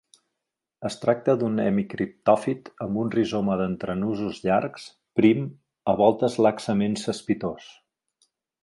Es tracta d'un hemicriptòfit amb un rizoma d'entrenusos llargs, prim, a voltes laxament cespitós.